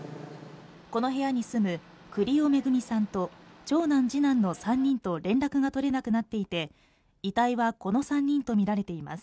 この部屋に住む栗尾惠さんと長男次男の３人と連絡が取れなくなっていて遺体はこの３人とみられています